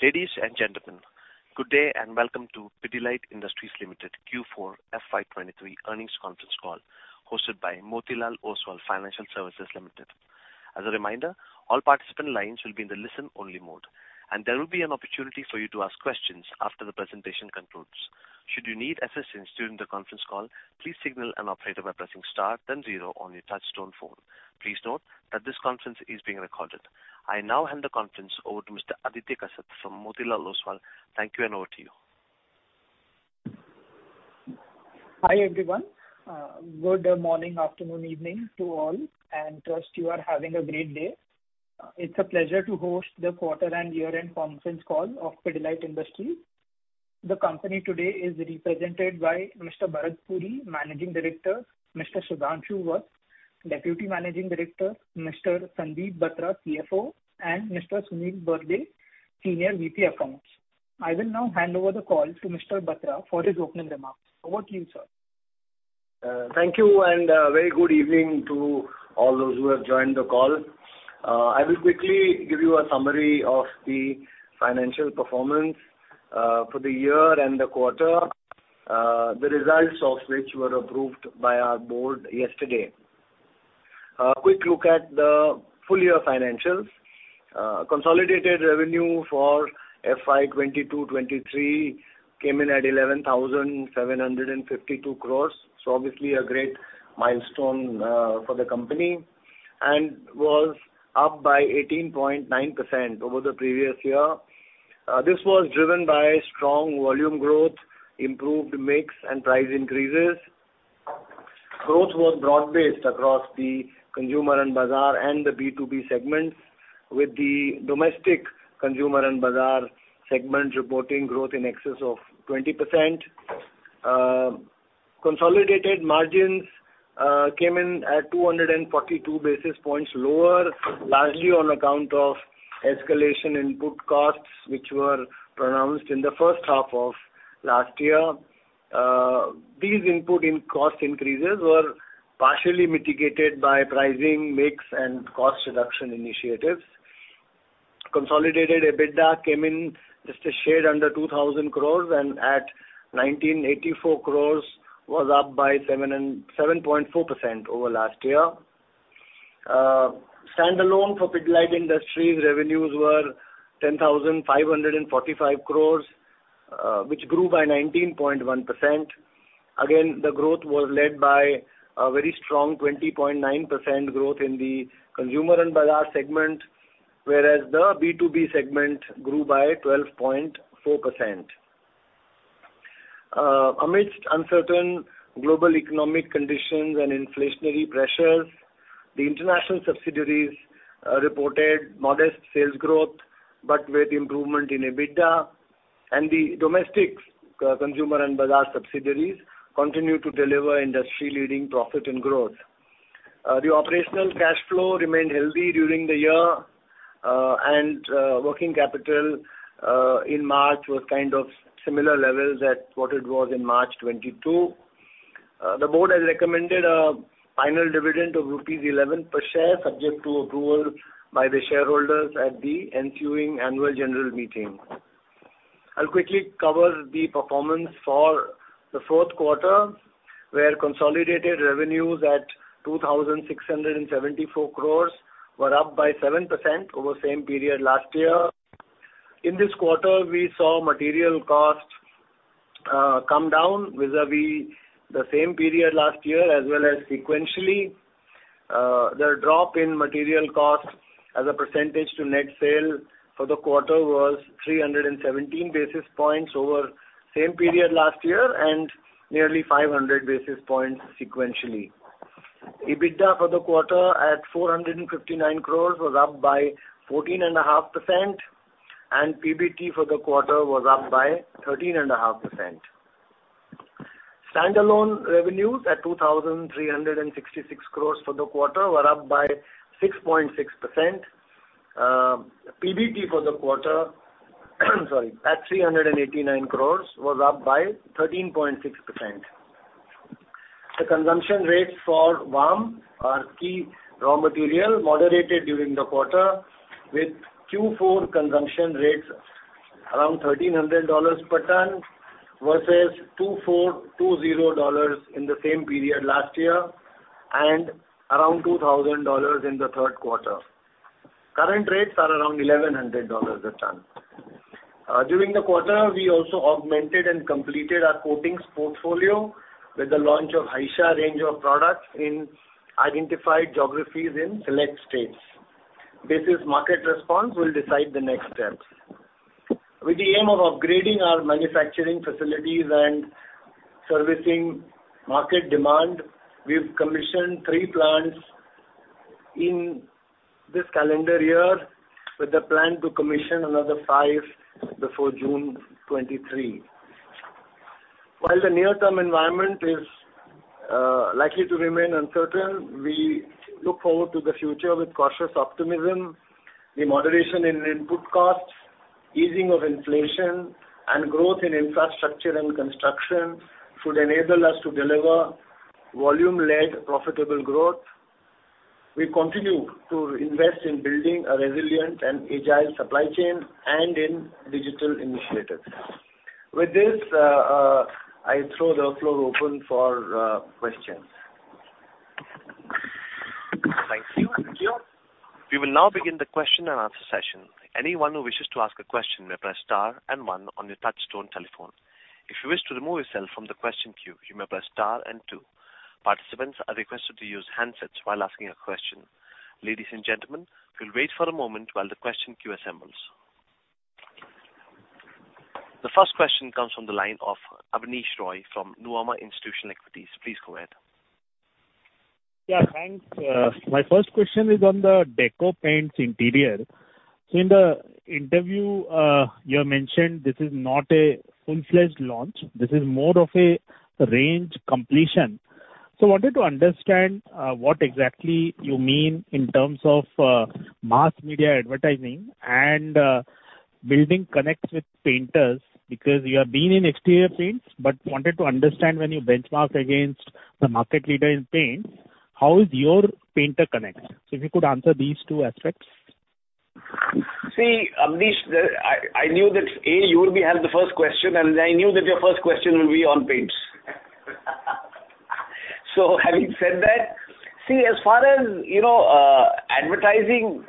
Ladies and gentlemen, good day and welcome to Pidilite Industries Limited Q4 FY23 earnings conference call, hosted by Motilal Oswal Financial Services Limited. As a reminder, all participant lines will be in the listen-only mode, and there will be an opportunity for you to ask questions after the presentation concludes. Should you need assistance during the conference call, please signal an operator by pressing star then 0 on your touchtone phone. Please note that this conference is being recorded. I now hand the conference over to Mr. Aditya Kasat from Motilal Oswal. Thank you and over to you. Hi, everyone. Good morning, afternoon, evening to all, and trust you are having a great day. It's a pleasure to host the quarter and year-end conference call of Pidilite Industries. The company today is represented by Mr. Bharat Puri, Managing Director, Mr. Sudhanshu Vats, Deputy Managing Director, Mr. Sandeep Batra, CFO, and Mr. Sunil Burde, Senior VP Accounts. I will now hand over the call to Mr. Batra for his opening remarks. Over to you, sir. Thank you, very good evening to all those who have joined the call. I will quickly give you a summary of the financial performance for the year and the quarter, the results of which were approved by our board yesterday. A quick look at the full year financials. Consolidated revenue for FY2022-2023 came in at 11,752 crores, obviously a great milestone for the company and was up by 18.9% over the previous year. This was driven by strong volume growth, improved mix and price increases. Growth was broad-based across the Consumer and Bazaar and the B2B segments, with the domestic Consumer and Bazaar segment reporting growth in excess of 20%. Consolidated margins came in at 242 basis points lower, largely on account of escalation input costs which were pronounced in the first half of last year. These input in cost increases were partially mitigated by pricing, mix and cost reduction initiatives. Consolidated EBITDA came in just a shade under 2,000 crores and at 1,984 crores was up by 7.4% over last year. Standalone for Pidilite Industries revenues were 10,545 crores, which grew by 19.1%. The growth was led by a very strong 20.9% growth in the Consumer and Bazaar segment, whereas the B2B segment grew by 12.4%. Amidst uncertain global economic conditions and inflationary pressures, the international subsidiaries reported modest sales growth, but with improvement in EBITDA, and the domestic Consumer and Bazaar subsidiaries continue to deliver industry-leading profit and growth. The operational cash flow remained healthy during the year, and working capital in March was kind of similar levels at what it was in March 2022. The board has recommended a final dividend of rupees 11 per share, subject to approval by the shareholders at the ensuing annual general meeting. I'll quickly cover the performance for the fourth quarter, where consolidated revenues at 2,674 crores were up by 7% over same period last year. In this quarter, we saw material costs come down vis-à-vis the same period last year as well as sequentially. The drop in material costs as a percentage to net sale for the quarter was 317 basis points over same period last year and nearly 500 basis points sequentially. EBITDA for the quarter at 459 crores was up by 14.5%, and PBT for the quarter was up by 13.5%. Stand-alone revenues at 2,366 crores for the quarter were up by 6.6%. PBT for the quarter, sorry, at 389 crores was up by 13.6%. The consumption rates for VAM, our key raw material, moderated during the quarter with Q4 consumption rates around $1,300 per ton versus $2,420 in the same period last year and around $2,000 in the third quarter. Current rates are around $1,100 a ton. During the quarter, we also augmented and completed our coatings portfolio with the launch of Haisha range of products in identified geographies in select states. Basis market response will decide the next steps. With the aim of upgrading our manufacturing facilities and servicing market demand, we've commissioned 3 plants in this calendar year with the plan to commission another 5 before June 2023. While the near-term environment is, likely to remain uncertain, we look forward to the future with cautious optimism. The moderation in input costs, easing of inflation, and growth in infrastructure and construction should enable us to deliver volume-led profitable growth. We continue to invest in building a resilient and agile supply chain and in digital initiatives. With this, I throw the floor open for questions. Thank you. We will now begin the question and answer session. Anyone who wishes to ask a question may press star and one on your touchtone telephone. If you wish to remove yourself from the question queue, you may press star and two. Participants are requested to use handsets while asking a question. Ladies and gentlemen, we will wait for a moment while the question queue assembles. The first question comes from the line of Abneesh Roy from Nuvama Institutional Equities. Please go ahead. Yeah, thanks. My first question is on the decor paints interior. In the interview, you have mentioned this is not a full-fledged launch, this is more of a range completion. I wanted to understand, what exactly you mean in terms of, mass media advertising and, building connects with painters because you have been in exterior paints, but wanted to understand when you benchmark against the market leader in paints, how is your painter connect? If you could answer these two aspects. Abneesh, I knew that you will be having the first question, and I knew that your first question will be on paints. Having said that, as far as, you know, advertising,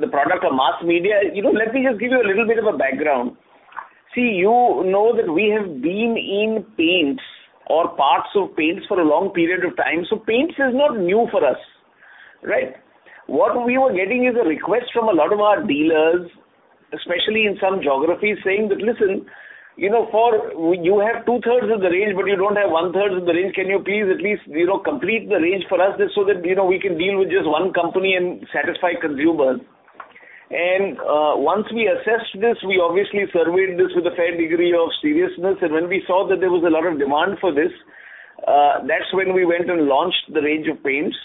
the product or mass media, you know, let me just give you a little bit of a background. You know that we have been in paints or parts of paints for a long period of time, so paints is not new for us. Right? What we were getting is a request from a lot of our dealers, especially in some geographies, saying that, "Listen, you know, you have 2/3 of the range, but you don't have 1/3 of the range. Can you please at least, you know, complete the range for us just so that, you know, we can deal with just one company and satisfy consumers?" Once we assessed this, we obviously surveyed this with a fair degree of seriousness. When we saw that there was a lot of demand for this, that's when we went and launched the range of paints.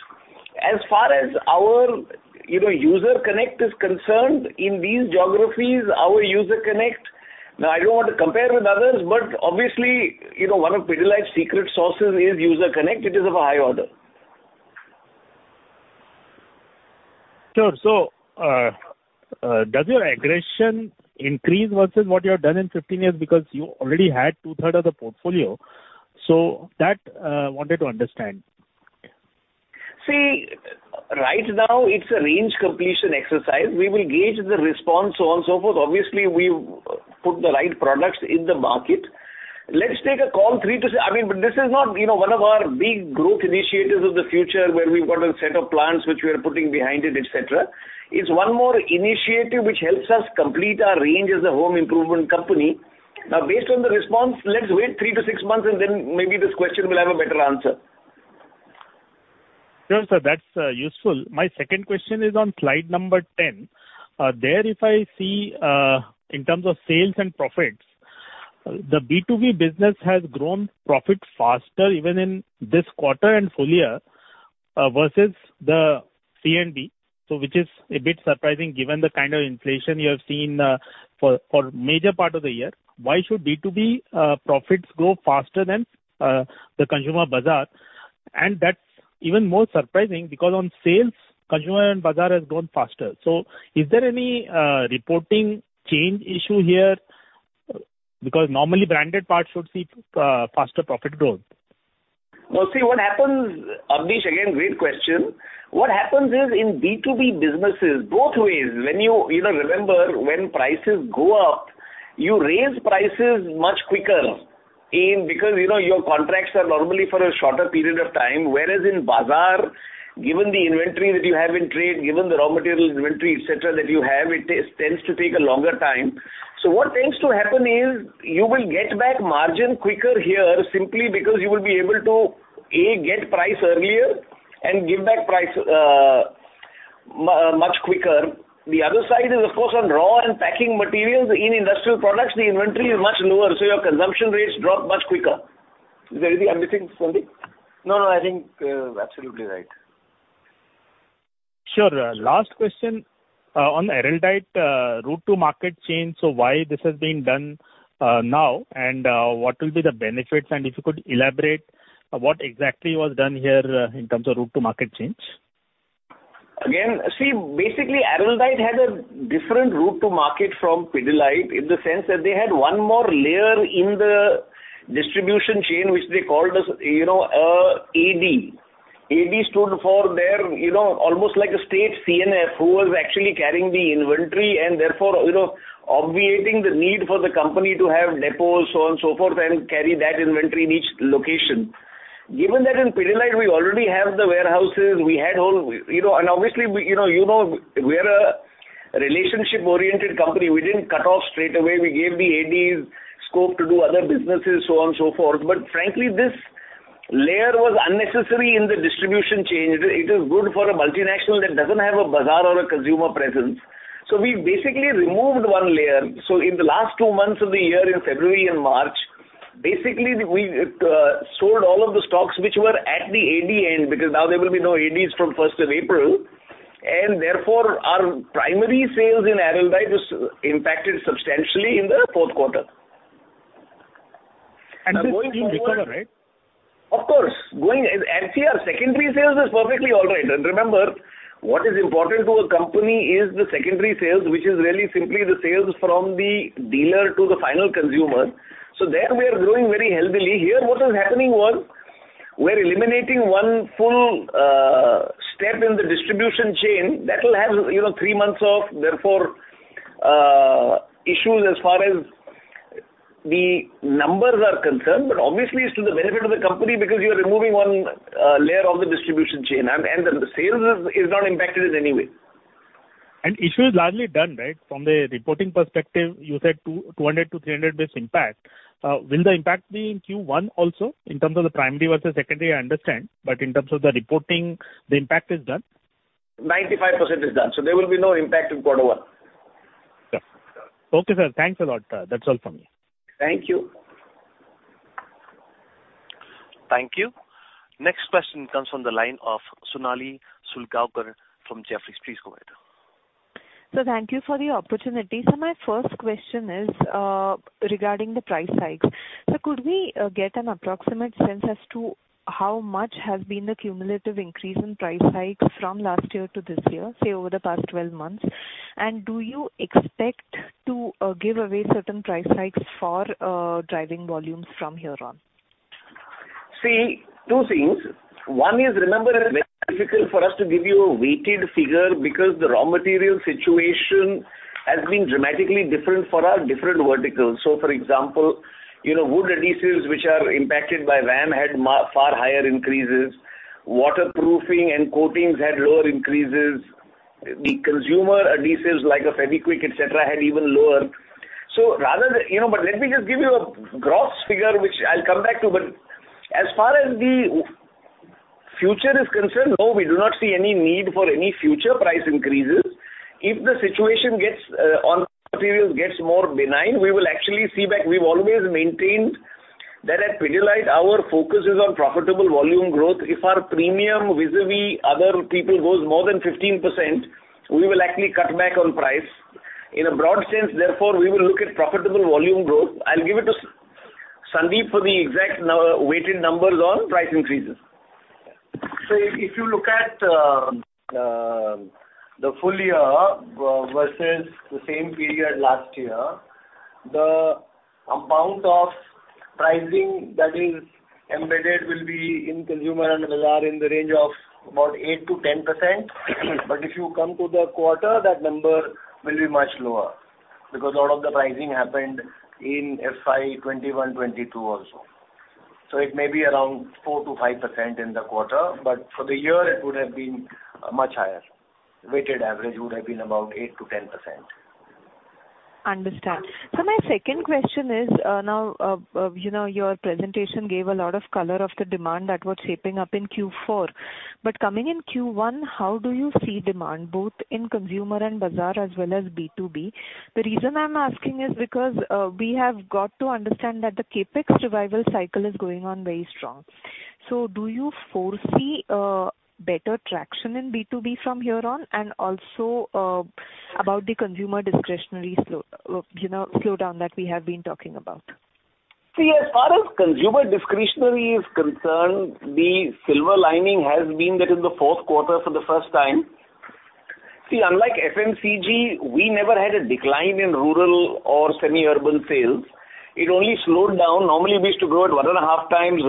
As far as our, you know, user connect is concerned, in these geographies, our user connect. I don't want to compare with others, but obviously, you know, one of Pidilite's secret sauces is user connect. It is of a high order. Sure. Does your aggression increase versus what you have done in 15 years? Because you already had two-thirds of the portfolio. That wanted to understand. Right now it's a range completion exercise. We will gauge the response, so on and so forth. Obviously, we've put the right products in the market. Let's take a call 3 to 6. I mean, this is not, you know, 1 of our big growth initiatives of the future where we've got a set of plans which we are putting behind it, et cetera. It's 1 more initiative which helps us complete our range as a home improvement company. Based on the response, let's wait 3 to 6 months, and then maybe this question will have a better answer. Sure, sir. That's useful. My second question is on slide number 10. There if I see in terms of sales and profits, the B2B business has grown profit faster even in this quarter and full year versus the C&B, which is a bit surprising given the kind of inflation you have seen for major part of the year. Why should B2B profits grow faster than the Consumer and Bazaar? That's even more surprising because on sales, Consumer and Bazaar has grown faster. Is there any reporting change issue here? Because normally branded parts should see faster profit growth. See what happens, Abneesh, again, great question. What happens is in B2B businesses, both ways, when you know, remember when prices go up, you raise prices much quicker in because, you know, your contracts are normally for a shorter period of time, whereas in bazaar, given the inventory that you have in trade, given the raw material inventory, et cetera, that you have, tends to take a longer time. What tends to happen is you will get back margin quicker here simply because you will be able to, A, get price earlier and give back price much quicker. The other side is of course on raw and packing materials. In industrial products, the inventory is much lower, your consumption rates drop much quicker. Is there anything I'm missing, Sandeep? No, I think, absolutely right. Sure. Last question, on Araldite, route to market change. Why this has been done, now, and, what will be the benefits? If you could elaborate what exactly was done here, in terms of route to market change. See, basically Araldite had a different route to market from Pidilite in the sense that they had one more layer in the distribution chain, which they called as, you know, AD. AD stood for their, you know, almost like a state CNF who was actually carrying the inventory and therefore, you know, obviating the need for the company to have depots, so on and so forth, and carry that inventory in each location. Given that in Pidilite we already have the warehouses, we had all, you know... Obviously, we, you know, we are a relationship-oriented company. We didn't cut off straightaway. We gave the ADs scope to do other businesses, so on and so forth. Frankly, this layer was unnecessary in the distribution chain. It is good for a multinational that doesn't have a bazaar or a consumer presence. We basically removed one layer. In the last two months of the year, in February and March, basically we stored all of the stocks which were at the AD end, because now there will be no ADs from 1st of April, therefore our primary sales in Araldite was impacted substantially in the 4th quarter. This will recover, right? Of course. Actually, our secondary sales is perfectly all right. Remember, what is important to a company is the secondary sales, which is really simply the sales from the dealer to the final consumer. There we are growing very healthily. Here, what is happening was, we're eliminating 1 full step in the distribution chain that will have, you know, 3 months off, therefore, issues as far as the numbers are concerned, obviously it's to the benefit of the company because you're removing 1 layer of the distribution chain and the sales is not impacted in any way. Issue is largely done, right? From the reporting perspective, you said 200-300 base impact. Will the impact be in Q1 also? In terms of the primary versus secondary, I understand, but in terms of the reporting, the impact is done. 95% is done, so there will be no impact in quarter one. Yeah. Okay, sir. Thanks a lot. That's all from me. Thank you. Thank you. Next question comes from the line of Sonali Salgaonkar from Jefferies. Please go ahead. Sir, thank you for the opportunity. My first question is regarding the price hikes. Sir, could we get an approximate sense as to how much has been the cumulative increase in price hikes from last year to this year, say over the past 12 months? Do you expect to give away certain price hikes for driving volumes from here on? See, two things. One is, remember, it's very difficult for us to give you a weighted figure because the raw material situation has been dramatically different for our different verticals. For example, you know, wood adhesives, which are impacted by VAM had far higher increases. Waterproofing and coatings had lower increases. The consumer adhesives like a Fevikwik, et cetera, had even lower. You know, let me just give you a gross figure, which I'll come back to. As far as the future is concerned, no, we do not see any need for any future price increases. If the situation gets on materials gets more benign, we will actually see back. We've always maintained that at Pidilite our focus is on profitable volume growth. If our premium vis-à-vis other people goes more than 15%, we will actually cut back on price. In a broad sense, therefore, we will look at profitable volume growth. I'll give it to Sandeep for the exact weighted numbers on price increases. If you look at the full year versus the same period last year, the amount of pricing that is embedded will be in Consumer and Bazaar in the range of about 8%-10%. If you come to the quarter, that number will be much lower because a lot of the pricing happened in FY21-22 also. It may be around 4%-5% in the quarter, but for the year it would have been much higher. Weighted average would have been about 8%-10%. Understand. My second question is, now, you know, your presentation gave a lot of color of the demand that was shaping up in Q4. Coming in Q1, how do you see demand both in Consumer and Bazaar as well as B2B? The reason I'm asking is because, we have got to understand that the CapEx revival cycle is going on very strong. Do you foresee better traction in B2B from here on? Also, about the consumer discretionary slow, you know, slowdown that we have been talking about? See, as far as consumer discretionary is concerned, the silver lining has been that in the fourth quarter for the first time. See, unlike FMCG, we never had a decline in rural or semi-urban sales. It only slowed down. Normally, we used to grow at one and a half times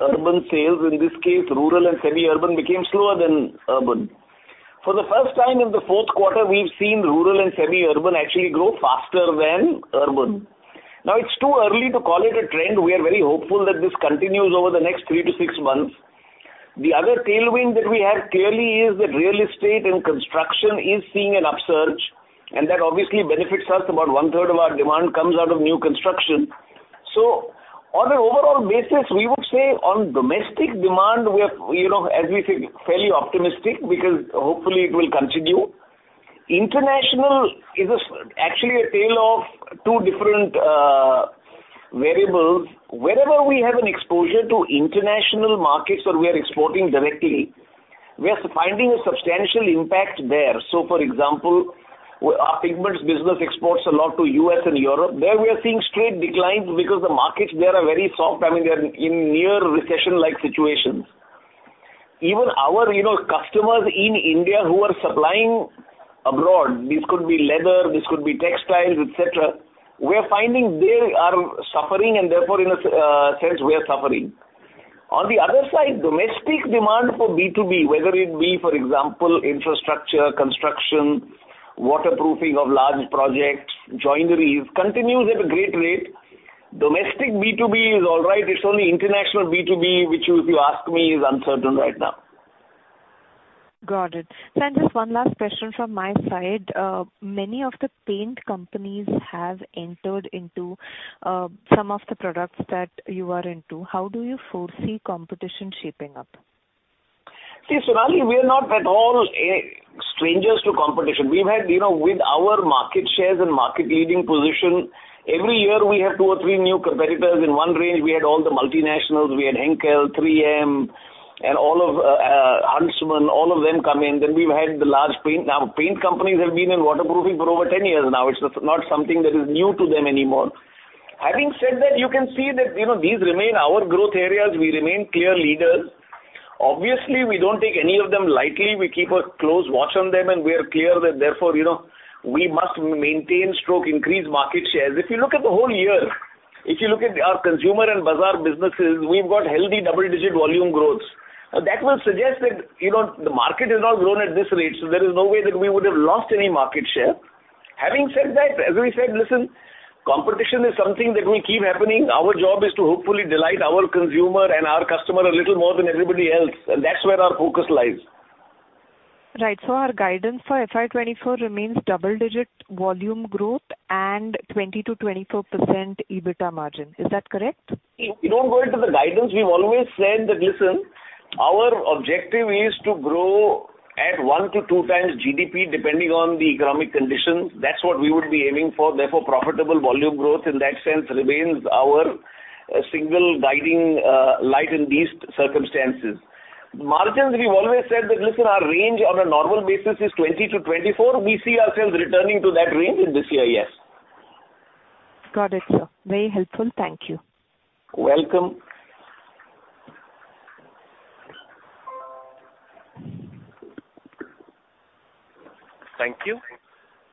urban sales. In this case, rural and semi-urban became slower than urban. For the first time in the fourth quarter, we've seen rural and semi-urban actually grow faster than urban. It's too early to call it a trend. We are very hopeful that this continues over the next three to six months. The other tailwind that we have clearly is that real estate and construction is seeing an upsurge, and that obviously benefits us. About one-third of our demand comes out of new construction. On an overall basis, we would say on domestic demand, we are, you know, as we say, fairly optimistic because hopefully it will continue. International is actually a tale of two different variables. Wherever we have an exposure to international markets or we are exporting directly, we are finding a substantial impact there. For example, our pigments business exports a lot to U.S. and Europe. There we are seeing straight declines because the markets there are very soft. I mean, they're in near recession-like situations. Even our, you know, customers in India who are supplying abroad, this could be leather, this could be textiles, et cetera, we are finding they are suffering and therefore in a sense we are suffering. On the other side, domestic demand for B2B, whether it be, for example, infrastructure, construction, waterproofing of large projects, joineries, continues at a great rate. Domestic B2B is all right. It's only international B2B, which if you ask me, is uncertain right now. Got it. Sir, just one last question from my side. Many of the paint companies have entered into, some of the products that you are into. How do you foresee competition shaping up? See, Sonali, we are not at all strangers to competition. We've had, you know, with our market shares and market leading position, every year we have two or three new competitors. In one range, we had all the multinationals. We had Henkel, 3M. All of Huntsman, all of them come in. We've had the large paint. Paint companies have been in waterproofing for over 10 years now. It's not something that is new to them anymore. Having said that, you can see that, you know, these remain our growth areas. We remain clear leaders. Obviously, we don't take any of them lightly. We keep a close watch on them, and we are clear that therefore, you know, we must maintain/increase market shares. If you look at the whole year, if you look at our Consumer and Bazaar businesses, we've got healthy double-digit volume growths. That will suggest that, you know, the market has not grown at this rate, so there is no way that we would have lost any market share. Having said that, as we said, listen, competition is something that will keep happening. Our job is to hopefully delight our consumer and our customer a little more than everybody else, and that's where our focus lies. Right. Our guidance for FY2024 remains double-digit volume growth and 20%-24% EBITDA margin. Is that correct? You know, going to the guidance, we've always said that, listen, our objective is to grow at 1-2 times GDP, depending on the economic conditions. That's what we would be aiming for. Therefore, profitable volume growth in that sense remains our single guiding light in these circumstances. Margins, we've always said that, listen, our range on a normal basis is 20%-24%. We see ourselves returning to that range in this year, yes. Got it, sir. Very helpful. Thank you. Welcome. Thank you.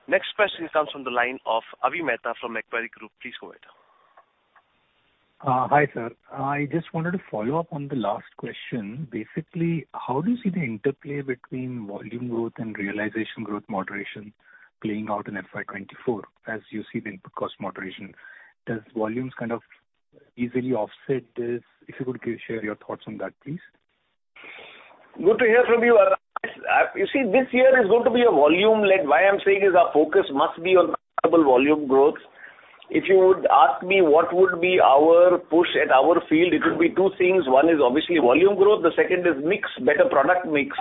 Next question comes from the line of Avi Mehta from Macquarie Group. Please go ahead. Hi, sir. I just wanted to follow up on the last question. Basically, how do you see the interplay between volume growth and realization growth moderation playing out in FY2024 as you see the input cost moderation? Does volumes kind of easily offset this? If you could share your thoughts on that, please. Good to hear from you. You see, this year is going to be a volume lead. Why I'm saying is our focus must be on profitable volume growth. If you would ask me what would be our push at our field, it would be two things. One is obviously volume growth. The second is mix, better product mix.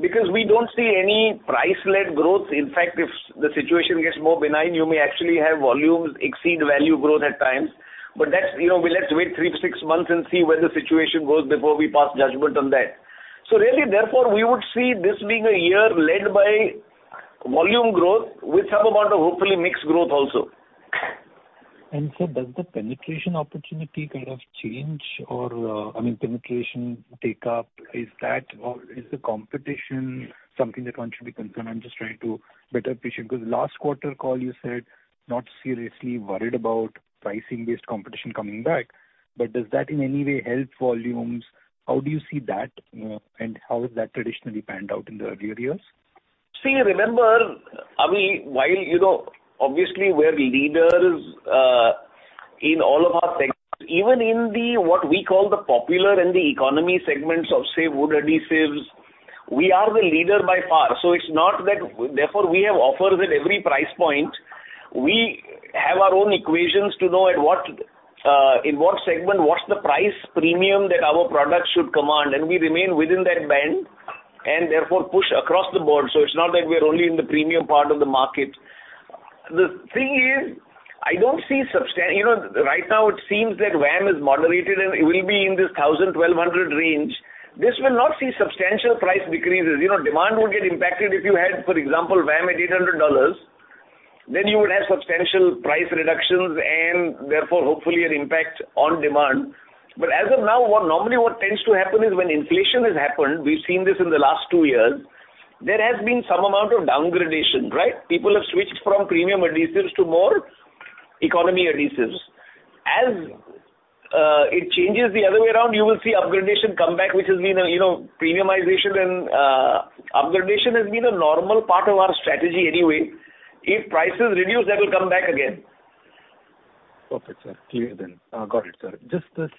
We don't see any price-led growth. In fact, if the situation gets more benign, you may actually have volumes exceed value growth at times. That's, you know, we'll have to wait 3-6 months and see where the situation goes before we pass judgment on that. Really, therefore, we would see this being a year led by volume growth with some amount of hopefully mixed growth also. Sir, does the penetration opportunity kind of change or, I mean, penetration take up, is that or is the competition something that one should be concerned? I'm just trying to better picture because last quarter call you said, "Not seriously worried about pricing-based competition coming back." Does that in any way help volumes? How do you see that, and how has that traditionally panned out in the earlier years? See, remember, Avi, while, you know, obviously we're leaders in all of our segments, even in the, what we call the popular and the economy segments of, say, wood adhesives, we are the leader by far. It's not that. We have offers at every price point. We have our own equations to know at what, in what segment, what's the price premium that our product should command, and we remain within that band, and therefore push across the board. It's not that we are only in the premium part of the market. The thing is, I don't see You know, right now it seems that VAM is moderated, and it will be in this $1,000-$1,200 range. This will not see substantial price decreases. You know, demand would get impacted if you had, for example, VAM at $800, then you would have substantial price reductions and therefore, hopefully an impact on demand. As of now, what normally what tends to happen is when inflation has happened, we've seen this in the last 2 years, there has been some amount of downgradation, right? People have switched from premium adhesives to more economy adhesives. As it changes the other way around, you will see upgradation come back, which has been a, you know, premiumization and upgradation has been a normal part of our strategy anyway. If prices reduce, that will come back again. Perfect, sir. Clear then. Got it, sir. Just this,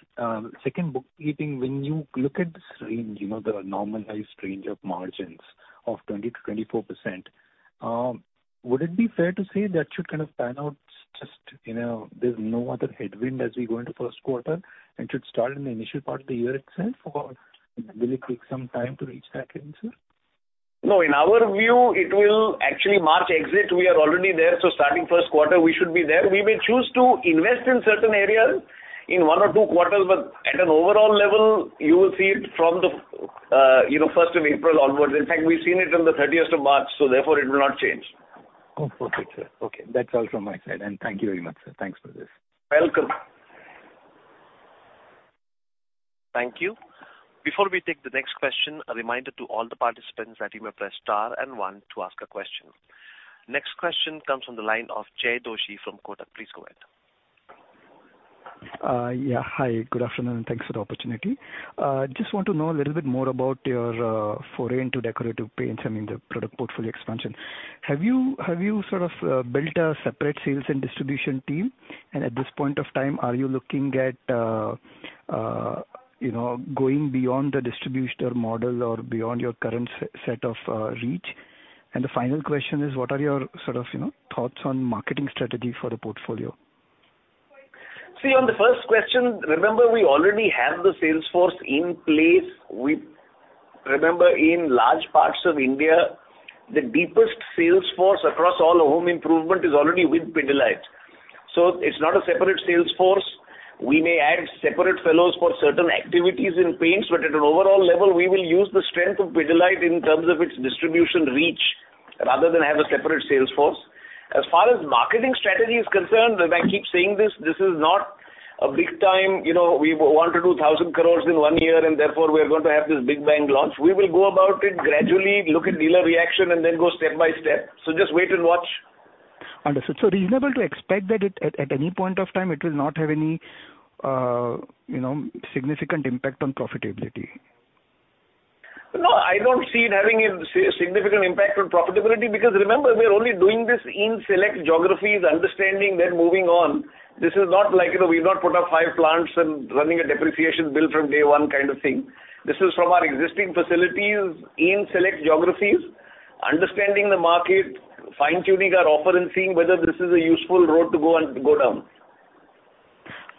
second bookkeeping. When you look at this range, you know, the normalized range of margins of 20%-24%, would it be fair to say that should kind of pan out just, you know, there's no other headwind as we go into first quarter and should start in the initial part of the year itself, or will it take some time to reach that again, sir? In our view, it will actually March exit. We are already there. Starting first quarter we should be there. We may choose to invest in certain areas in one or two quarters. At an overall level, you will see it from, you know, first of April onwards. In fact, we've seen it on the thirtieth of March. Therefore, it will not change. Oh, perfect, sir. Okay. That's all from my side, and thank you very much, sir. Thanks for this. Welcome. Thank you. Before we take the next question, a reminder to all the participants that you may press star and one to ask a question. Next question comes from the line of Jaykumar Doshi from Kotak. Please go ahead. Yeah. Hi. Good afternoon, and thanks for the opportunity. Just want to know a little bit more about your foray into decorative paints, I mean the product portfolio expansion. Have you, have you sort of built a separate sales and distribution team? At this point of time, are you looking at, you know, going beyond the distributor model or beyond your current set of reach? The final question is: What are your sort of, you know, thoughts on marketing strategy for the portfolio? See, on the first question, remember we already have the sales force in place, in large parts of India, the deepest sales force across all home improvement is already with Pidilite. It's not a separate sales force. We may add separate fellows for certain activities in paints, but at an overall level, we will use the strength of Pidilite in terms of its distribution reach, rather than have a separate sales force. As far as marketing strategy is concerned, and I keep saying this is not a big time, you know, we want to do 1,000 crores in one year, and therefore we are going to have this big bang launch. We will go about it gradually, look at dealer reaction, and then go step by step. Just wait and watch. Understood. Reasonable to expect that it, at any point of time, it will not have any, you know, significant impact on profitability. No, I don't see it having a significant impact on profitability because remember, we are only doing this in select geographies, understanding, then moving on. This is not like, you know, we've not put up five plants and running a depreciation bill from day one kind of thing. This is from our existing facilities in select geographies, understanding the market, fine-tuning our offer, and seeing whether this is a useful road to go on, to go down.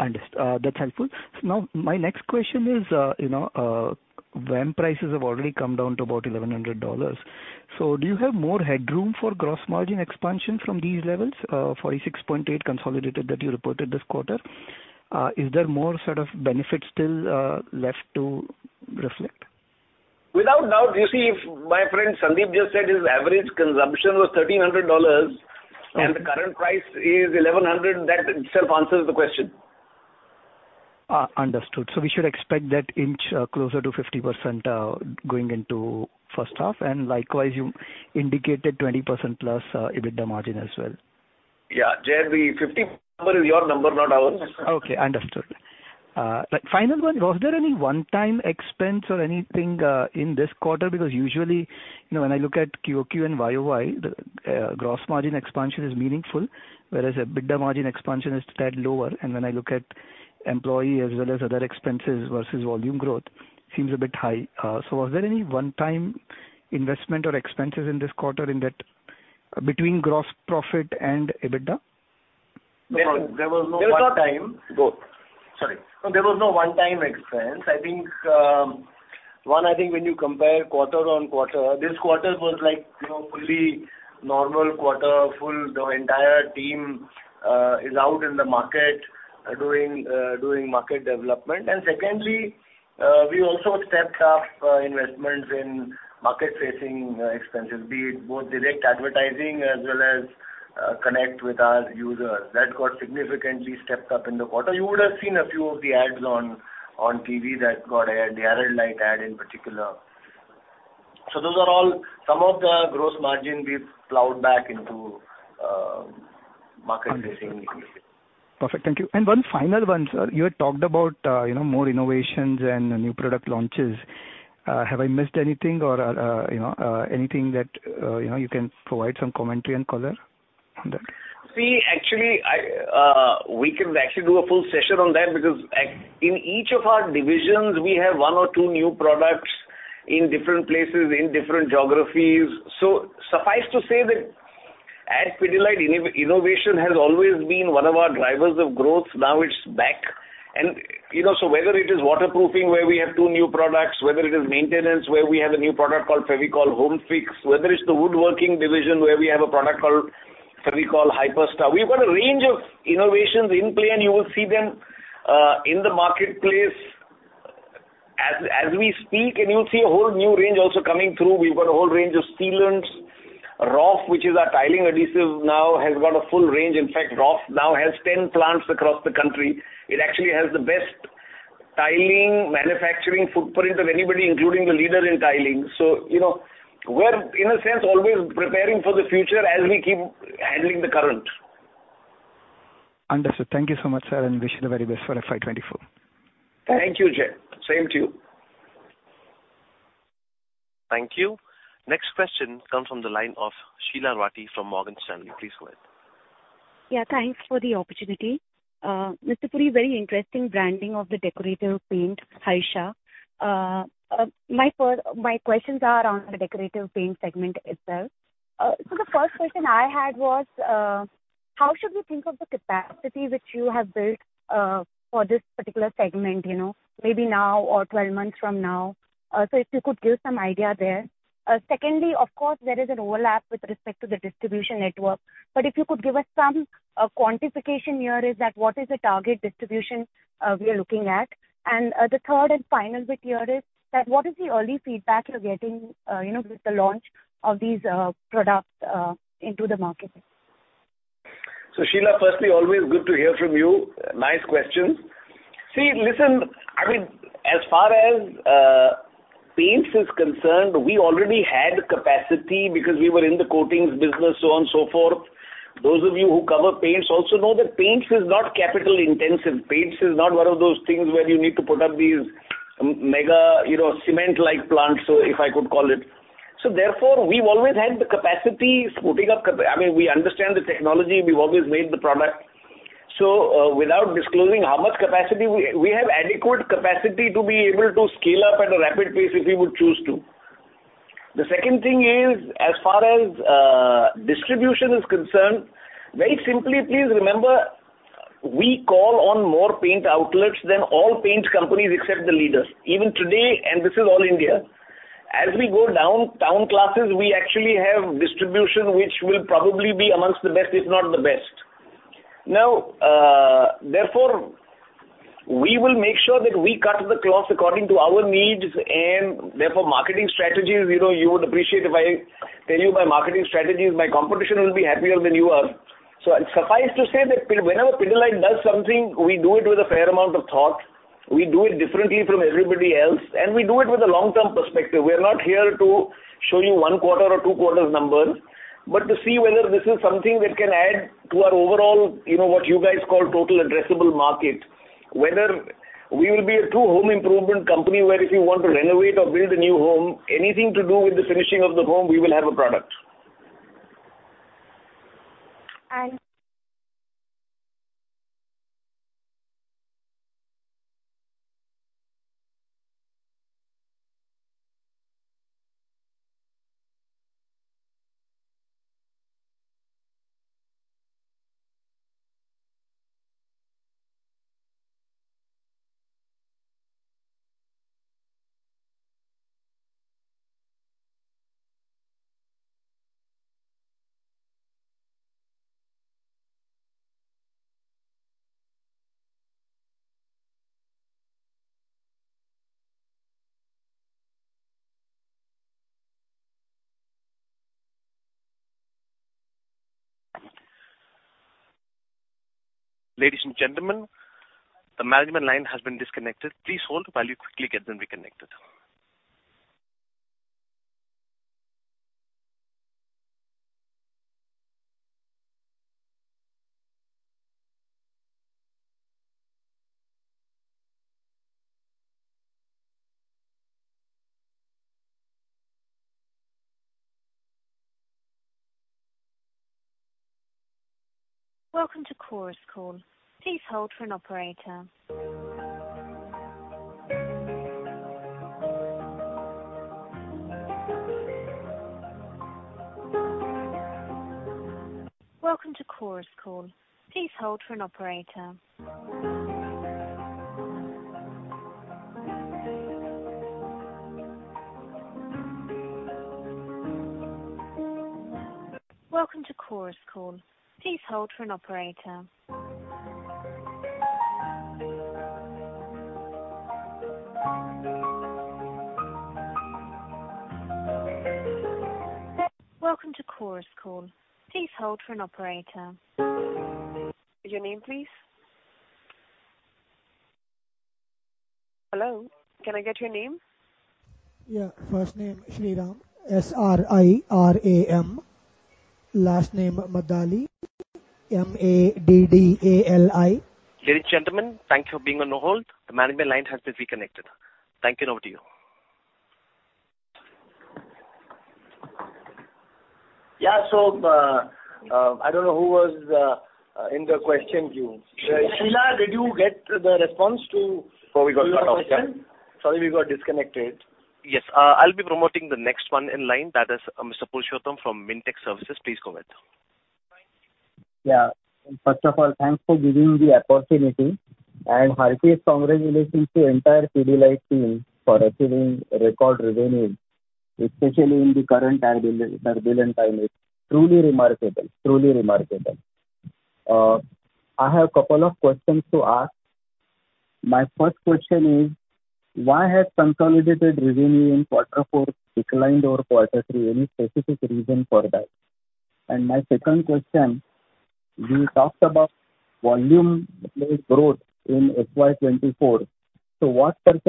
Understood. That's helpful. Now my next question is, you know, VAM prices have already come down to about $1,100. Do you have more headroom for gross margin expansion from these levels? 46.8% consolidated that you reported this quarter. Is there more sort of benefit still left to reflect? Without doubt. You see, if my friend Sandip just said his average consumption was $1,300, and the current price is $1,100, that itself answers the question. Understood. We should expect that inch closer to 50% going into first half, and likewise, you indicated 20%+ EBITDA margin as well. Yeah. Jai, the 50 number is your number, not ours. Okay, understood. Final one, was there any one-time expense or anything, in this quarter? Because usually, you know, when I look at QOQ and YOY, the gross margin expansion is meaningful, whereas EBITDA margin expansion is a tad lower. When I look at employee as well as other expenses versus volume growth, seems a bit high. Was there any one-time investment or expenses in this quarter in that between gross profit and EBITDA? There was no one time- There was. Both. Sorry. No, there was no one-time expense. I think when you compare quarter-on-quarter, this quarter was like, you know, fully normal quarter. The entire team is out in the market doing market development. Secondly, we also stepped up investments in market-facing expenses, be it both direct advertising as well as connect with our users. That got significantly stepped up in the quarter. You would have seen a few of the ads on TV that got aired, the Araldite ad in particular. Those are all some of the gross margin we've plowed back into market-facing initiatives. Perfect. Thank you. One final one, sir. You had talked about, you know, more innovations and new product launches. Have I missed anything or, you know, anything that, you know, you can provide some commentary and color on that? See, actually, I, we can actually do a full session on that because in each of our divisions, we have one or two new products in different places, in different geographies. Suffice to say that at Pidilite, innovation has always been one of our drivers of growth. Now it's back. You know, whether it is waterproofing, where we have two new products, whether it is maintenance, where we have a new product called Fevicol Home Fix, whether it's the woodworking division, where we have a product called Fevicol Hyperstar. We've got a range of innovations in play, and you will see them, in the marketplace as we speak, and you'll see a whole new range also coming through. We've got a whole range of sealants. Roff, which is our tiling adhesive now, has got a full range. In fact, Roff now has 10 plants across the country. It actually has the best tiling manufacturing footprint of anybody, including the leader in tiling. you know, we're in a sense, always preparing for the future as we keep handling the current. Understood. Thank you so much, sir, and wish you the very best for FY2024. Thank you, Jay. Same to you. Thank you. Next question comes from the line of Sheela Rathi from Morgan Stanley. Please go ahead. Yeah, thanks for the opportunity. Mr. Puri, very interesting branding of the decorative paint, Haisha. My questions are on the decorative paint segment itself. The first question I had was, how should we think of the capacity which you have built for this particular segment, you know, maybe now or 12 months from now? If you could give some idea there. Secondly, of course, there is an overlap with respect to the distribution network. If you could give us some quantification here, is that what is the target distribution we are looking at? The third and final bit here is that what is the early feedback you're getting, you know, with the launch of these products into the market? Sheela, firstly, always good to hear from you. Nice questions. I mean, as far as paints is concerned, we already had capacity because we were in the coatings business, so on and so forth. Those of you who cover paints also know that paints is not capital intensive. Paints is not one of those things where you need to put up these mega, you know, cement-like plants, if I could call it. Therefore, we've always had the capacity, I mean, we understand the technology. We've always made the product. Without disclosing how much capacity, we have adequate capacity to be able to scale up at a rapid pace if we would choose to. The second thing is, as far as distribution is concerned, very simply, please remember, we call on more paint outlets than all paint companies except the leaders. Even today, this is all India, as we go down town classes, we actually have distribution which will probably be amongst the best, if not the best. Now, therefore, we will make sure that we cut the cloth according to our needs and therefore, marketing strategies, you know, you would appreciate if I tell you my marketing strategies, my competition will be happier than you are. Suffice to say that whenever Pidilite does something, we do it with a fair amount of thought. We do it differently from everybody else, and we do it with a long-term perspective. We are not here to show you one quarter or two quarters numbers, but to see whether this is something that can add to our overall, you know, what you guys call total addressable market. Whether we will be a true home improvement company, where if you want to renovate or build a new home, anything to do with the finishing of the home, we will have a product. And- Ladies and gentlemen, the management line has been disconnected. Please hold while we quickly get them reconnected. Ladies and gentlemen, thank you for being on hold. The management line has been reconnected. Thank you. Over to you. Yeah. I don't know who was in the question queue. Sheela, did you get the response. We got cut off. Yeah. your question? Sorry, we got disconnected. I'll be promoting the next one in line. That is, Mr. Purushottam from Minvest Services. Please go ahead. Yeah. First of all, thanks for giving me the opportunity and hearty congratulations to entire Pidilite team for achieving record revenue, especially in the current turbulent times. Truly remarkable. I have a couple of questions to ask. My first question is, why has consolidated revenue in Q4 declined over Q3? Any specific reason for that? My second question, you talked about volume-based growth in FY2024. What % of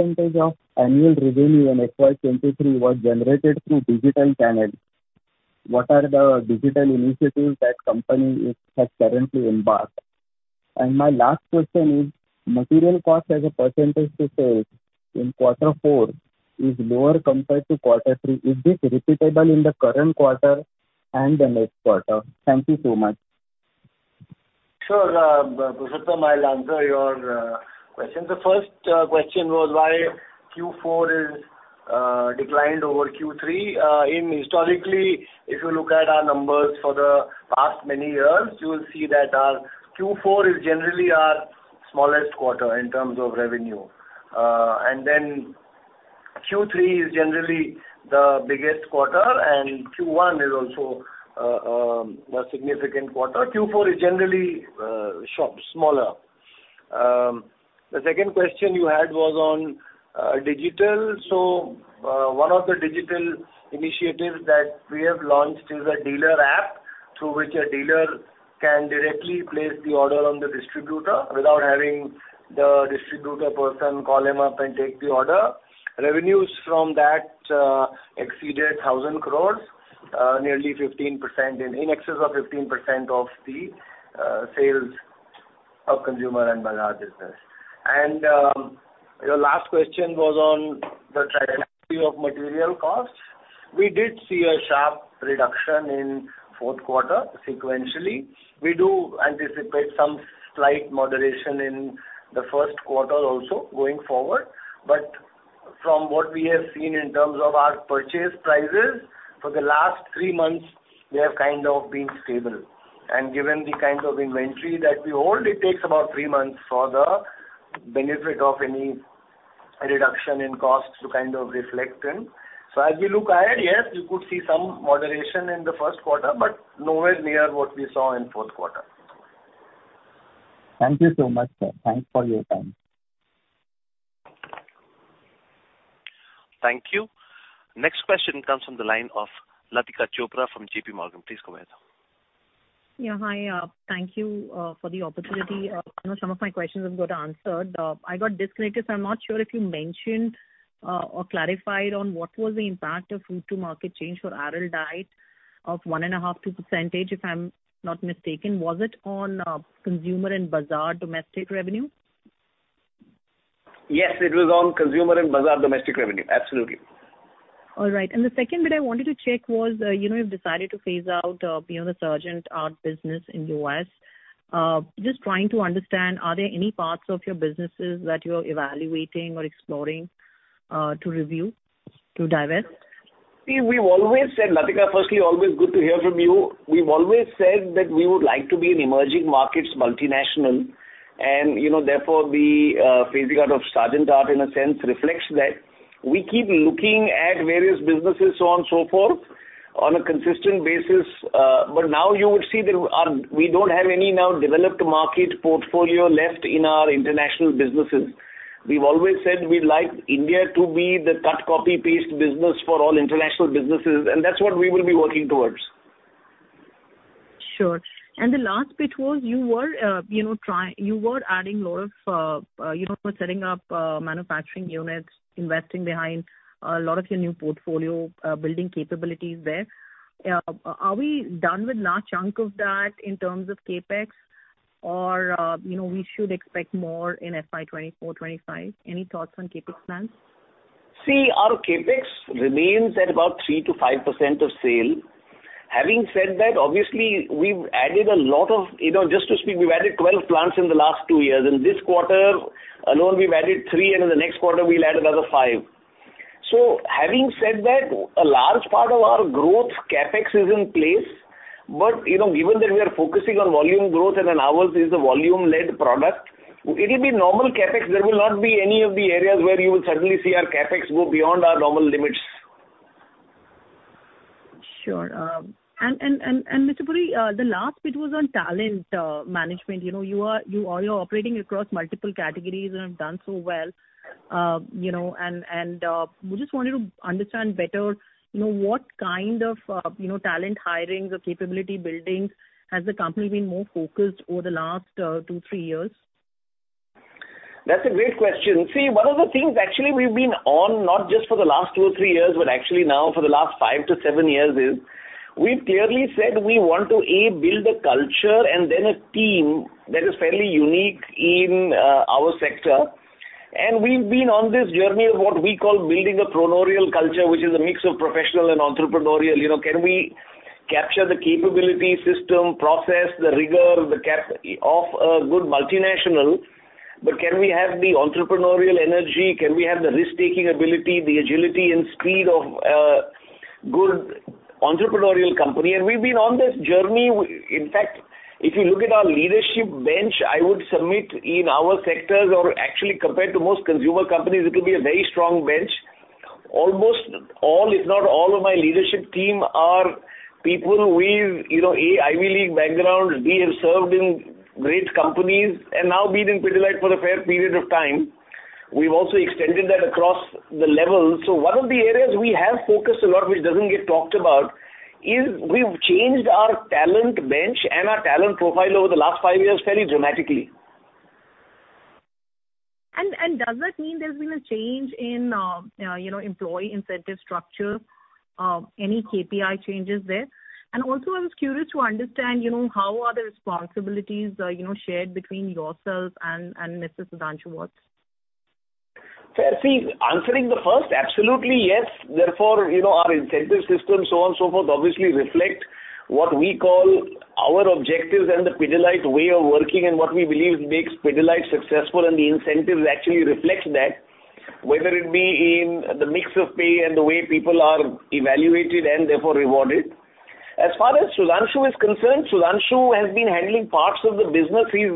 annual revenue in FY23 was generated through digital channels? What are the digital initiatives that company has currently embarked? My last question is, material cost as a % to sales in Q4 is lower compared to Q3? Is this repeatable in the current quarter and the next quarter? Thank you so much. Sure. Purushotham, I'll answer your questions. The first question was why Q4 is declined over Q3. Historically, if you look at our numbers for the past many years, you will see that our Q4 is generally our smallest quarter in terms of revenue. Q3 is generally the biggest quarter, and Q1 is also a significant quarter. Q4 is generally smaller. The second question you had was on digital. One of the digital initiatives that we have launched is a dealer app through which a dealer can directly place the order on the distributor without having the distributor person call him up and take the order. Revenues from that exceeded 1,000 crores, nearly 15% and in excess of 15% of the sales of Consumer and Bazaar business. Your last question was on the trajectory of material costs. We did see a sharp reduction in fourth quarter sequentially. We do anticipate some slight moderation in the first quarter also going forward. From what we have seen in terms of our purchase prices for the last three months, they have kind of been stable. Given the kind of inventory that we hold, it takes about three months for the benefit of any reduction in costs to kind of reflect in. As we look ahead, yes, you could see some moderation in the first quarter, but nowhere near what we saw in fourth quarter. Thank you so much, sir. Thanks for your time. Thank you. Next question comes from the line of Latika Chopra from J.P. Morgan. Please go ahead. Hi. Thank you for the opportunity. I know some of my questions have got answered. I got disconnected, so I'm not sure if you mentioned or clarified on what was the impact of route to market change for Araldite of 1.5%, if I'm not mistaken. Was it on Consumer and Bazaar domestic revenue? Yes, it was on Consumer and Bazaar domestic revenue. Absolutely. All right. The second bit I wanted to check was, you know, you've decided to phase out, you know, the Sargent Art business in US. Just trying to understand, are there any parts of your businesses that you're evaluating or exploring, to review, to divest? See, we've always said. Latika, firstly, always good to hear from you. We've always said that we would like to be an emerging markets multinational. You know, therefore the phasing out of Sargent Art in a sense reflects that. We keep looking at various businesses, so on and so forth, on a consistent basis. Now you would see that we don't have any now developed market portfolio left in our international businesses. We've always said we'd like India to be the cut copy paste business for all international businesses, and that's what we will be working towards. Sure. The last bit was you were, you know, adding lot of, you know, setting up, manufacturing units, investing behind a lot of your new portfolio, building capabilities there. Are we done with large chunk of that in terms of CapEx or, you know, we should expect more in FY2024, 2025? Any thoughts on CapEx plans? Our CapEx remains at about 3%-5% of sale. Having said that, obviously we've added a lot of, you know, just to speak, we've added 12 plants in the last two years. In this quarter alone, we've added three, and in the next quarter we'll add another five. Having said that, a large part of our growth CapEx is in place. You know, given that we are focusing on volume growth and then ours is a volume-led product, it'll be normal CapEx. There will not be any of the areas where you will suddenly see our CapEx go beyond our normal limits. Sure. Mr. Puri, the last bit was on talent management. You know, you are operating across multiple categories and have done so well. You know, we just wanted to understand better, you know, what kind of, you know, talent hirings or capability buildings has the company been more focused over the last two, three years? That's a great question. See, one of the things actually we've been on, not just for the last two or three years, but actually now for the last five to seven years, is we've clearly said we want to, A, build a culture and then a team that is fairly unique in our sector. We've been on this journey of what we call building a proneurial culture, which is a mix of professional and entrepreneurial. You know, can we capture the capability system, process, the rigor, the cap of a good multinational, but can we have the entrepreneurial energy? Can we have the risk-taking ability, the agility and speed of a good entrepreneurial company? We've been on this journey. In fact, if you look at our leadership bench, I would submit in our sectors or actually compared to most consumer companies, it will be a very strong bench. Almost all, if not all of my leadership team are people with, you know, A, Ivy League background, B, have served in great companies and now been in Pidilite for a fair period of time. We've also extended that across the levels. One of the areas we have focused a lot, which doesn't get talked about, is we've changed our talent bench and our talent profile over the last five years fairly dramatically. Does that mean there's been a change in, you know, employee incentive structure, any KPI changes there? Also, I was curious to understand, you know, how are the responsibilities, you know, shared between yourself and Mr. Sudhanshu Vats? Fair. See, answering the first, absolutely, yes. You know, our incentive system, so on and so forth, obviously reflect what we call our objectives and the Pidilite way of working and what we believe makes Pidilite successful, and the incentives actually reflect that, whether it be in the mix of pay and the way people are evaluated and therefore rewarded. As far as Sudhanshu is concerned, Sudhanshu has been handling parts of the business. He's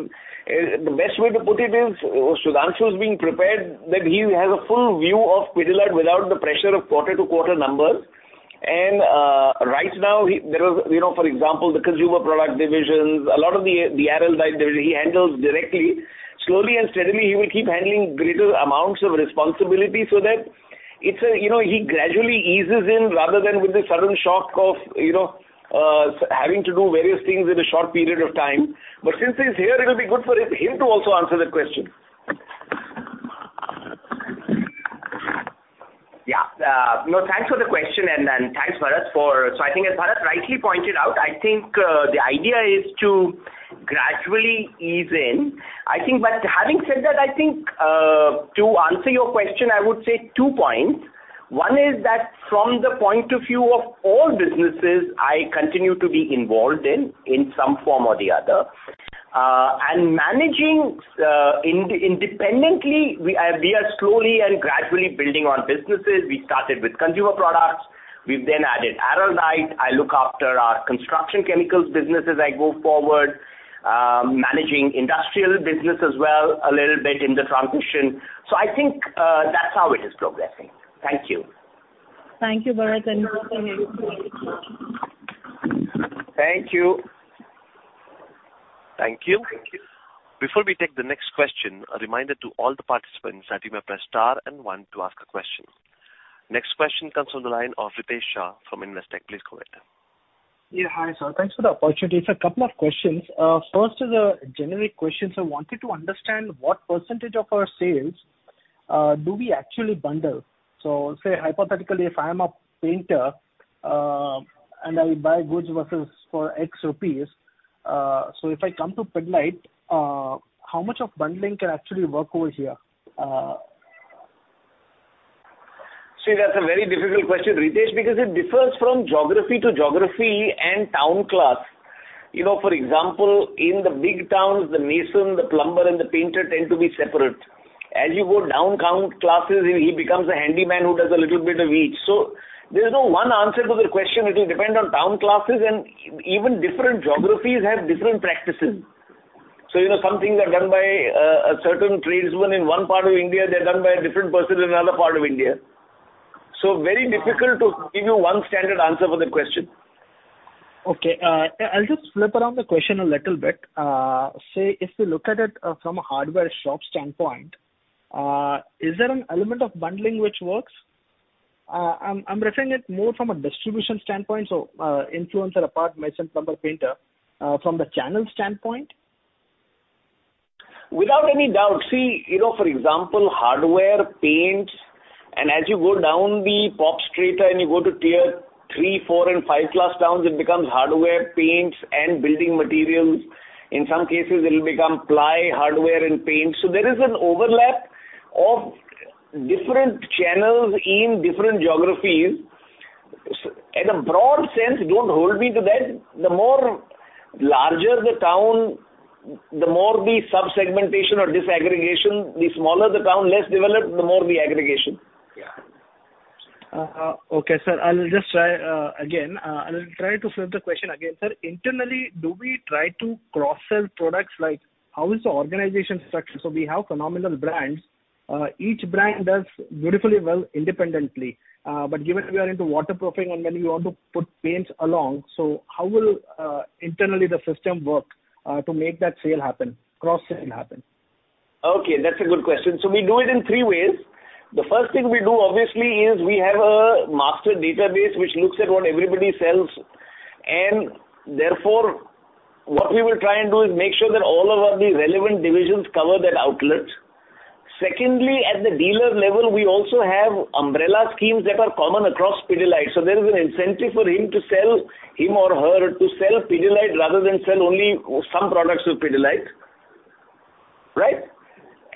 the best way to put it is Sudhanshu is being prepared that he has a full view of Pidilite without the pressure of quarter-to-quarter numbers. Right now there is, you know, for example, the consumer product divisions, a lot of the RL division he handles directly. Slowly and steadily, he will keep handling greater amounts of responsibility so that it's a, you know, he gradually eases in rather than with the sudden shock of, you know, having to do various things in a short period of time. Since he's here, it'll be good for him to also answer that question. Yeah. No, thanks for the question and thanks Bharat. I think as Bharat rightly pointed out, I think the idea is to gradually ease in. I think having said that, I think to answer your question, I would say two points. One is that from the point of view of all businesses I continue to be involved in some form or the other, and managing, independently, we are slowly and gradually building on businesses. We started with consumer products. We've then added Aerolite. I look after our construction chemicals business as I go forward, managing industrial business as well a little bit in the transition. I think, that's how it is progressing. Thank you. Thank you, Bharat, and. Thank you. Thank you. Before we take the next question, a reminder to all the participants that you may press star and one to ask a question. Next question comes from the line of Ritesh Shah from Investec. Please go ahead. Yeah, hi, sir. Thanks for the opportunity. Sir, couple of questions. First is a generic question. I wanted to understand what percentage of our sales, do we actually bundle? Say hypothetically, if I am a painter, and I buy goods versus for INR X, so if I come to Pidilite, how much of bundling can actually work over here? That's a very difficult question, Ritesh, because it differs from geography to geography and town class. You know, for example, in the big towns, the mason, the plumber, and the painter tend to be separate. As you go down town classes, he becomes a handyman who does a little bit of each. There's no one answer to the question. It will depend on town classes and even different geographies have different practices. You know, some things are done by a certain tradesman in one part of India, they're done by a different person in another part of India. Very difficult to give you one standard answer for that question. Okay. I'll just flip around the question a little bit. Say if we look at it from a hardware shop standpoint, is there an element of bundling which works? I'm referring it more from a distribution standpoint, so influencer apart, mason, plumber, painter, from the channel standpoint. Without any doubt. See, you know, for example, hardware, paints, and as you go down the POP strata and you go to tier three, four and five-class towns, it becomes hardware, paints and building materials. In some cases, it'll become ply, hardware and paints. There is an overlap of different channels in different geographies. In a broad sense, don't hold me to that, the more larger the town, the more the sub-segmentation or disaggregation. The smaller the town, less developed, the more the aggregation. Yeah. Okay, sir. I'll just try again. I'll try to flip the question again. Sir, internally, do we try to cross-sell products like how is the organization structured? We have phenomenal brands. Each brand does beautifully well independently. Given we are into waterproofing and then we want to put paints along, how will internally the system work to make that sale happen, cross-sell happen? Okay, that's a good question. We do it in three ways. The first thing we do obviously is we have a master database which looks at what everybody sells, and therefore what we will try and do is make sure that all of our, the relevant divisions cover that outlet. Secondly, at the dealer level, we also have umbrella schemes that are common across Pidilite. There is an incentive for him to sell, him or her to sell Pidilite rather than sell only some products of Pidilite. Right?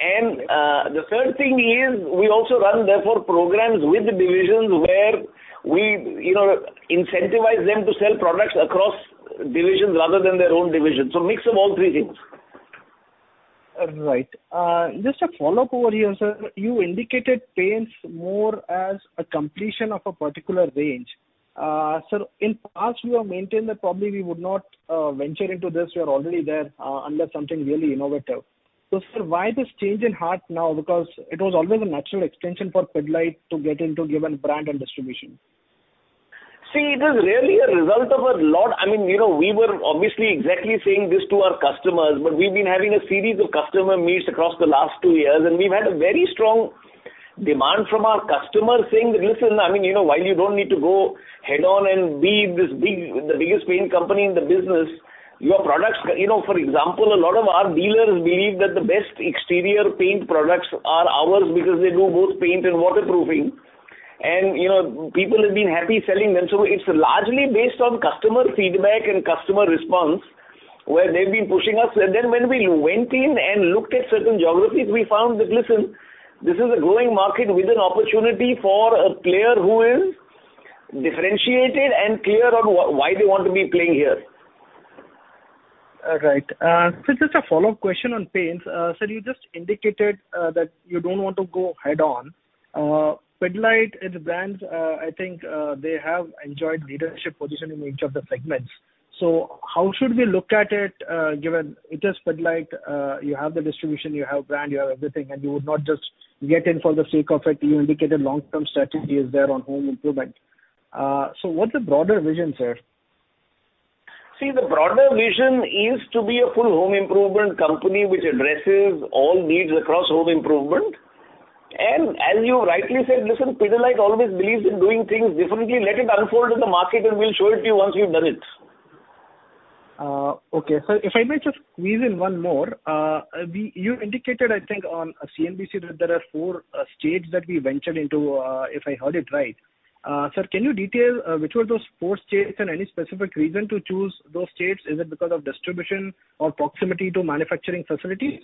The third thing is we also run therefore programs with the divisions where we, you know, incentivize them to sell products across divisions rather than their own divisions. Mix of all three things. Right. Just a follow-up over here, sir. You indicated paints more as a completion of a particular range. Sir, in past you have maintained that probably we would not venture into this. We are already there, unless something really innovative. Sir, why this change in heart now? It was always a natural extension for Pidilite to get into given brand and distribution. See, it is really a result of a lot. I mean, you know, we were obviously exactly saying this to our customers, but we've been having a series of customer meets across the last two years, and we've had a very strong demand from our customers saying that, "Listen, I mean, you know, while you don't need to go head on and be this big, the biggest paint company in the business, your products." You know, for example, a lot of our dealers believe that the best exterior paint products are ours because they do both paint and waterproofing. You know, people have been happy selling them. It's largely based on customer feedback and customer response where they've been pushing us. When we went in and looked at certain geographies, we found that, listen, this is a growing market with an opportunity for a player who is differentiated and clear on why they want to be playing here. All right. Sir, just a follow-up question on paints. Sir, you just indicated that you don't want to go head on. Pidilite and the brands, I think, they have enjoyed leadership position in each of the segments. How should we look at it, given it is Pidilite? You have the distribution, you have brand, you have everything, and you would not just get in for the sake of it. You indicated long-term strategy is there on home improvement. What's the broader vision, sir? See, the broader vision is to be a full home improvement company which addresses all needs across home improvement. As you rightly said, listen, Pidilite always believes in doing things differently. Let it unfold in the market, and we'll show it to you once we've done it. Okay. Sir, if I may just squeeze in one more. You indicated, I think, on CNBC that there are 4 states that we ventured into, if I heard it right. Sir, can you detail which were those 4 states and any specific reason to choose those states? Is it because of distribution or proximity to manufacturing facilities?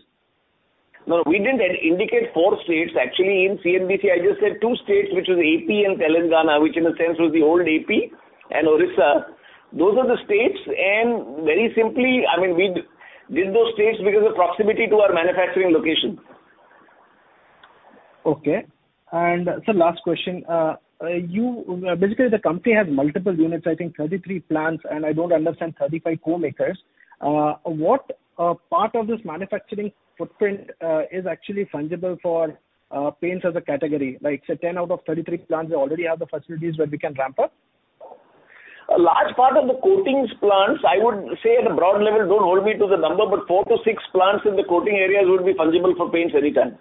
No, we didn't indicate four states. Actually, in CNBC, I just said two states, which was AP and Telangana, which in a sense was the old AP and Orissa. Those are the states, and very simply, I mean, we did those states because of proximity to our manufacturing location. Okay. Sir, last question. Basically, the company has multiple units, I think 33 plants, and I don't understand 35 co-makers. What part of this manufacturing footprint is actually fungible for paints as a category? Like, say, 10 out of 33 plants already have the facilities where we can ramp up. A large part of the coatings plants, I would say at a broad level, don't hold me to the number, but 4-6 plants in the coating areas would be fungible for paints anytime.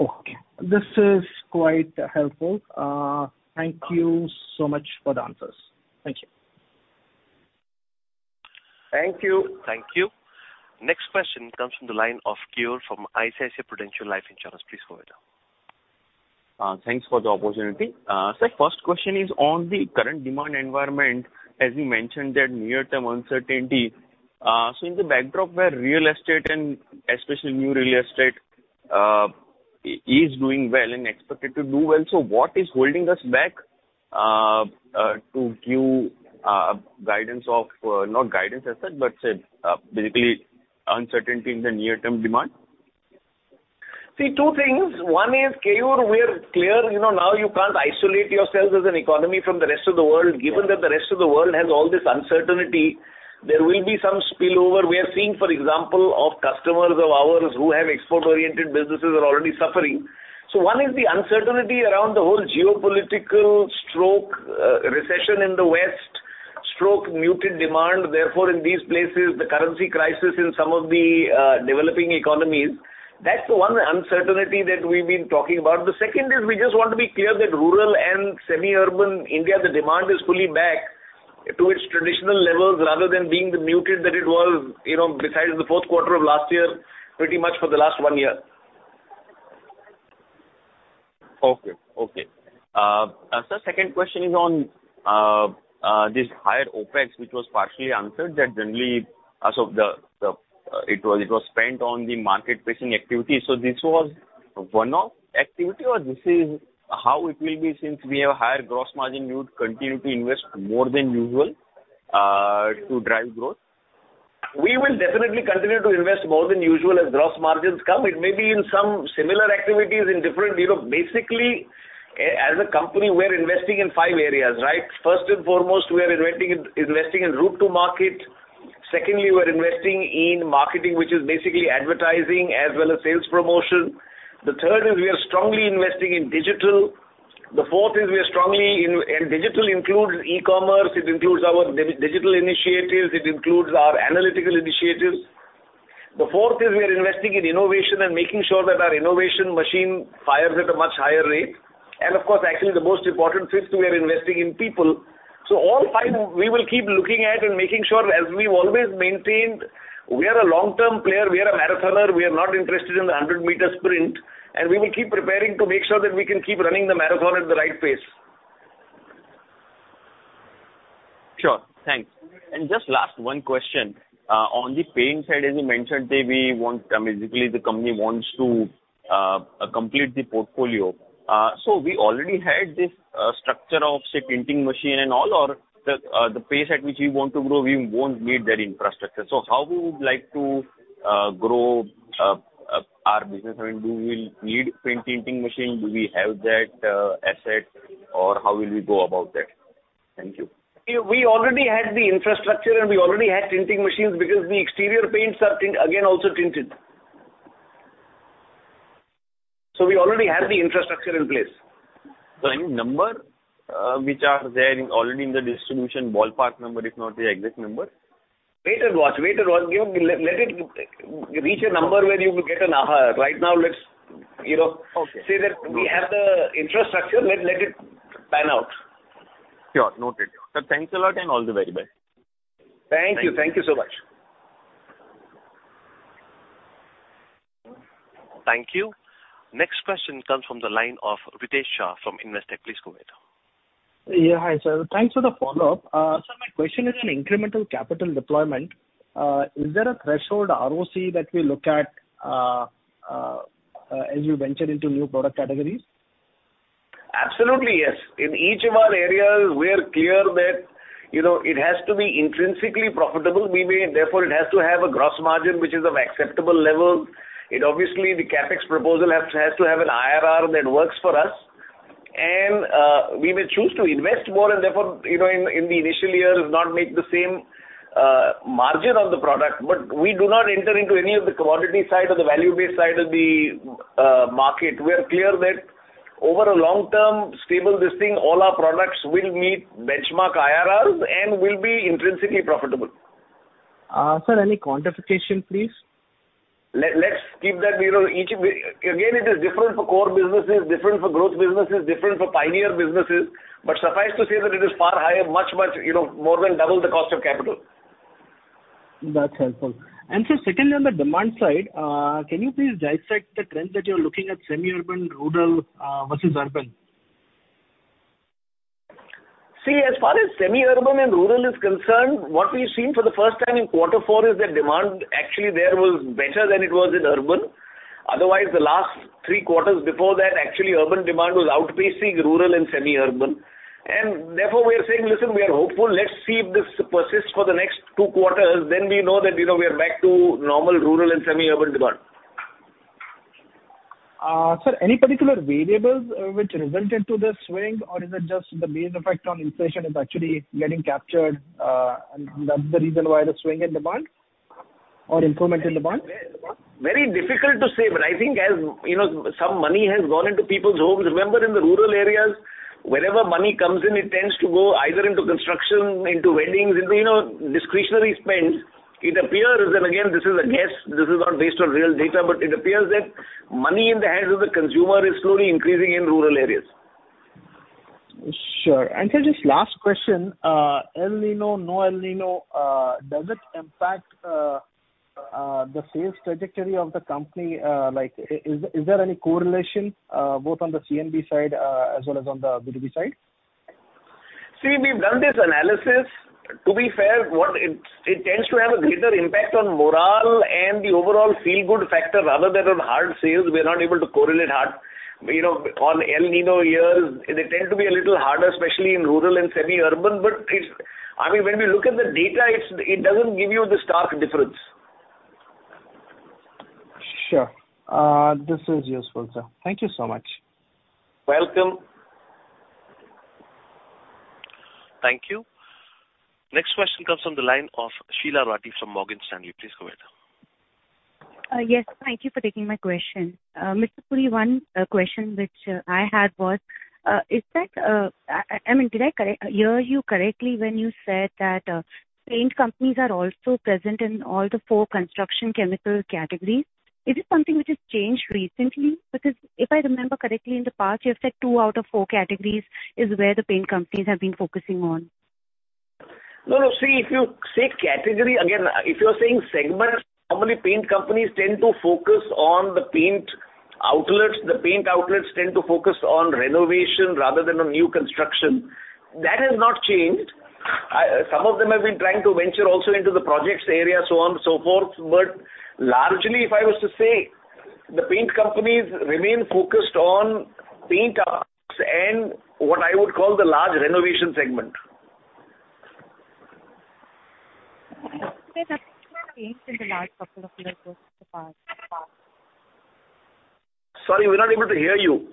Okay. This is quite helpful. Thank you so much for the answers. Thank you. Thank you. Thank you. Next question comes from the line of Keyur from ICICI Prudential Life Insurance. Please go ahead. Thanks for the opportunity. Sir, first question is on the current demand environment, as you mentioned that near-term uncertainty. In the backdrop where real estate and especially new real estate is doing well and expected to do well, what is holding us back to give guidance of not guidance as such, but say, basically uncertainty in the near-term demand? See, two things. One is, Keyur, we're clear, you know, now you can't isolate yourself as an economy from the rest of the world. Given that the rest of the world has all this uncertainty, there will be some spill-over. We are seeing, for example, of customers of ours who have export-oriented businesses are already suffering. One is the uncertainty around the whole geopolitical stroke, recession in the West, stroke muted demand, therefore, in these places, the currency crisis in some of the developing economies. That's one uncertainty that we've been talking about. The second is we just want to be clear that rural and semi-urban India, the demand is fully back to its traditional levels rather than being the muted that it was, you know, besides the fourth quarter of last year, pretty much for the last one year. Okay. Okay. sir, second question is on this higher OpEx, which was partially answered that generally, it was spent on the market-facing activity. This was one-off activity or this is how it will be since we have higher gross margin, you would continue to invest more than usual to drive growth? We will definitely continue to invest more than usual as gross margins come. It may be in some similar activities in different, you know. Basically, as a company, we're investing in 5 areas, right? First and foremost, we are investing in route to market. Secondly, we're investing in marketing, which is basically advertising as well as sales promotion. The third is we are strongly investing in digital. Digital includes e-commerce, it includes our digital initiatives, it includes our analytical initiatives. The fourth is we are investing in innovation and making sure that our innovation machine fires at a much higher rate. Of course, actually the most important 5th, we are investing in people. All five we will keep looking at and making sure as we've always maintained, we are a long-term player, we are a marathoner, we are not interested in the 100-meter sprint, and we will keep preparing to make sure that we can keep running the marathon at the right pace. Sure. Thanks. Just last one question. On the paint side, as you mentioned, that we want, basically the company wants to, complete the portfolio. We already had this, structure of, say, tinting machine and all, or the pace at which we want to grow, we won't need that infrastructure. How we would like to, grow, our business? I mean, do we need paint tinting machine? Do we have that, asset, or how will we go about that? Thank you. We already had the infrastructure, and we already had tinting machines because the exterior paints are again, also tinted. We already have the infrastructure in place. Any number which are there in already in the distribution, ballpark number, if not the exact number? Wait and watch. Wait and watch. Let it reach a number where you get an aha. Right now, let's, you know. Okay. say that we have the infrastructure, let it pan out. Sure. Noted. Sir, thanks a lot and all the very best. Thank you. Thank you so much. Thank you. Next question comes from the line of Ritesh Shah from Investec. Please go ahead. Yeah, hi, sir. Thanks for the follow-up. Sir, my question is on incremental capital deployment. Is there a threshold ROC that we look at, as you venture into new product categories? Absolutely, yes. In each of our areas, we are clear that, you know, it has to be intrinsically profitable. We may, therefore, it has to have a gross margin which is of acceptable level. It obviously, the CapEx proposal has to have an IRR that works for us. We may choose to invest more and therefore, you know, in the initial years not make the same margin on the product. We do not enter into any of the commodity side or the value-based side of the market. We are clear that over a long term, stable this thing, all our products will meet benchmark IRRs and will be intrinsically profitable. Sir, any quantification, please? Let's keep that, you know, each. Again, it is different for core businesses, different for growth businesses, different for pioneer businesses. Suffice to say that it is far higher, much, you know, more than double the cost of capital. That's helpful. Sir, secondly, on the demand side, can you please dissect the trend that you're looking at semi-urban, rural, versus urban? See, as far as semi-urban and rural is concerned, what we've seen for the first time in quarter four is that demand actually there was better than it was in urban. Otherwise, the last three quarters before that, actually urban demand was outpacing rural and semi-urban. Therefore, we are saying, listen, we are hopeful. Let's see if this persists for the next two quarters, then we know that, you know, we are back to normal rural and semi-urban demand. Sir, any particular variables which resulted to this swing or is it just the base effect on inflation is actually getting captured, and that's the reason why the swing in demand or improvement in demand? Very difficult to say, but I think as, you know, some money has gone into people's homes. Remember in the rural areas, wherever money comes in, it tends to go either into construction, into weddings, into, you know, discretionary spends. It appears, and again, this is a guess, this is not based on real data, but it appears that money in the hands of the consumer is slowly increasing in rural areas. Sure. Sir, just last question. El Niño, no El Niño, does it impact the sales trajectory of the company? Like is there any correlation both on the CMB side as well as on the B2B side? We've done this analysis. To be fair, what it tends to have a greater impact on morale and the overall feel-good factor rather than on hard sales. We're not able to correlate hard. You know, on El Niño years, they tend to be a little harder, especially in rural and semi-urban. I mean, when we look at the data, it doesn't give you the stark difference. Sure. This is useful, sir. Thank you so much. Welcome. Thank you. Next question comes from the line of Sheela Rathi from Morgan Stanley. Please go ahead. Yes, thank you for taking my question. Mr. Puri, one question which I had was, is that, I mean, did I hear you correctly when you said that paint companies are also present in all the four construction chemical categories? Is it something which has changed recently? If I remember correctly in the past, you have said two out of four categories is where the paint companies have been focusing on. No, no. See, if you say category, again, if you're saying segment, normally paint companies tend to focus on the paint outlets. The paint outlets tend to focus on renovation rather than on new construction. That has not changed. Some of them have been trying to venture also into the projects area, so on and so forth. Largely, if I was to say, the paint companies remain focused on paint arts and what I would call the large renovation segment. changed in the last couple of years with the past. Sorry, we're not able to hear you.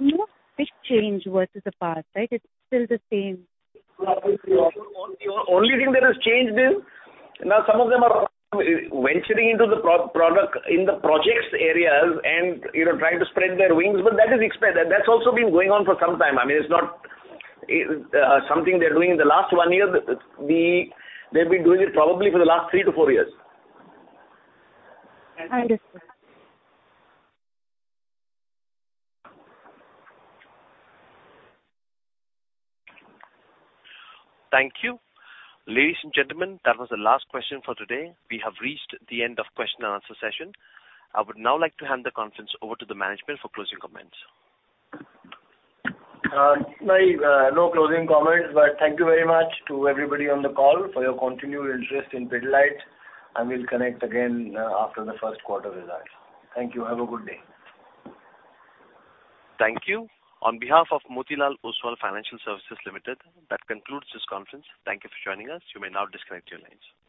No big change versus the past, right? It's still the same. The only thing that has changed is now some of them are venturing into the product in the projects areas and, you know, trying to spread their wings. That is expected. That's also been going on for some time. I mean, it's not something they're doing in the last 1 year. They've been doing it probably for the last 3 to 4 years. I understand. Thank you. Ladies and gentlemen, that was the last question for today. We have reached the end of question and answer session. I would now like to hand the conference over to the management for closing comments. No closing comments, thank you very much to everybody on the call for your continued interest in Pidilite. We'll connect again after the first quarter results. Thank you. Have a good day. Thank you. On behalf of Motilal Oswal Financial Services Limited, that concludes this conference. Thank you for joining us. You may now disconnect your lines.